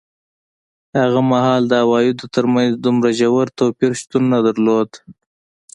هغه مهال د عوایدو ترمنځ دومره ژور توپیر شتون نه درلود.